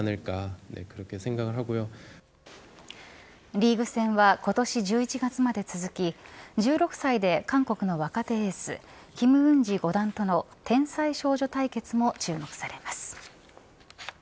リーグ戦は今年１１月まで続き１６歳で韓国の若手エース金恩持五段との天才少女対決も注目されます。